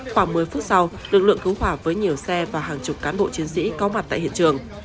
khoảng một mươi phút sau lực lượng cứu hỏa với nhiều xe và hàng chục cán bộ chiến sĩ có mặt tại hiện trường